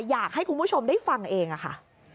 อยากให้คุณผู้ชมได้ฟังเองค่ะ